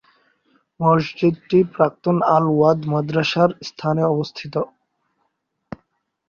মসজিদটি প্রাক্তন আল-ওয়াদ মাদ্রাসার স্থানে অবস্থিত।